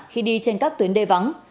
khi đi trên các tuyến đê vắng